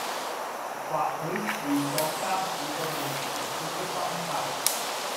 或許是各家自掃門前雪的心態